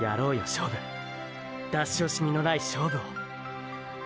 勝負出しおしみのない勝負を。